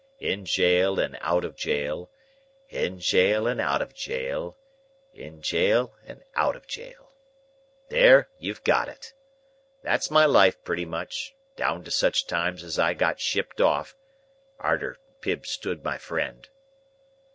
In jail and out of jail, in jail and out of jail, in jail and out of jail. There, you've got it. That's my life pretty much, down to such times as I got shipped off, arter Pip stood my friend.